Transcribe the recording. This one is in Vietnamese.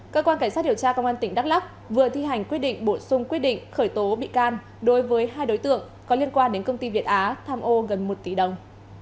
cơ quan cảnh sát điều tra công an tỉnh đắk lắc vừa thi hành quyết định bổ sung quyết định khởi tố bị can đối với hai đối tượng có liên quan đến công ty việt á tham ô gần một tỷ đồng